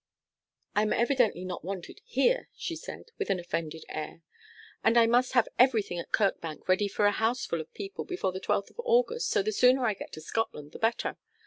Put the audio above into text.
'I am evidently not wanted here,' she said, with an offended air; 'and I must have everything at Kirkbank ready for a house full of people before the twelfth of August, so the sooner I get to Scotland the better.